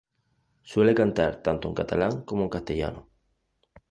Suele cantar tanto en catalán como en castellano.